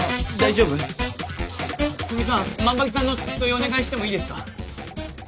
万場木さんの付き添いをお願いしてもいいですか？